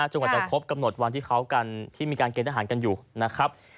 กว่าจะครบกำหนดวันที่เขากันที่มีการเกณฑ์ทหารกันอยู่นะครับ